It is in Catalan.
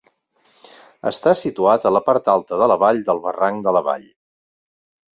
Està situat a la part alta de la vall del barranc de la Vall.